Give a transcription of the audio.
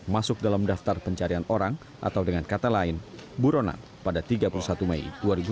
masuk dalam daftar pencarian orang atau dengan kata lain buronan pada tiga puluh satu mei dua ribu dua puluh